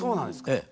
ええ。